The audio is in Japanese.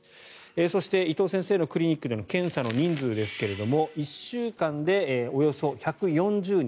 そして伊藤先生のクリニックでの検査の人数ですが１週間でおよそ１４０人。